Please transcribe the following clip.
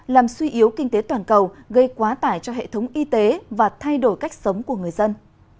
làm suy yếu kinh tế toàn cầu gây quá tải cho hệ thống y tế và thay đổi cách sống của người dân